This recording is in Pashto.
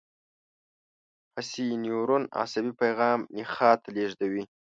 حسي نیورون عصبي پیغام نخاع ته لېږدوي.